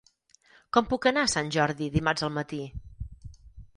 Com puc anar a Sant Jordi dimarts al matí?